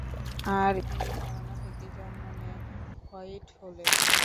আর এই ধারণা থেকেই জন্ম নেয় হোয়াইট হোলের।